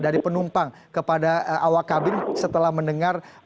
dari penumpang kepada awak kabin setelah mendengar